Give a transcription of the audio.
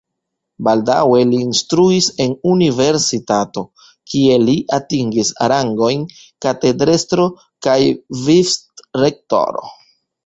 Baldaŭe li instruis en universitato, kie li atingis rangojn katedrestro kaj vicrektoro.